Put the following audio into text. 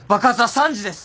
３時です！